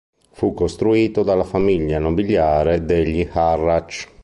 Fu costruito dalla famiglia nobiliare degli Harrach.